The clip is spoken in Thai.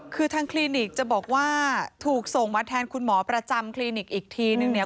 คือทางคลินิกจะบอกว่าถูกส่งมาแทนคุณหมอประจำคลินิกอีกทีนึงเนี่ย